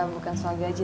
bukan soal gaji